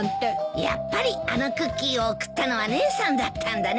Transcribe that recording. やっぱりあのクッキーを贈ったのは姉さんだったんだね。